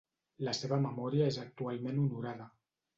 La seva memòria és actualment honorada.